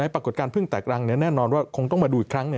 ปรากฏการณ์พึ่งแตกรังแน่นอนว่าคงต้องมาดูอีกครั้ง